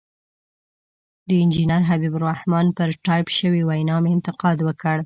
د انجنیر حبیب الرحمن پر ټایپ شوې وینا مې انتقاد وکړ.